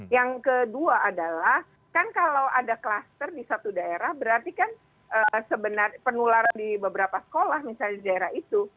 yang kedua adalah kan kalau ada kluster di satu daerah berarti kan penularan di beberapa sekolah misalnya di daerah itu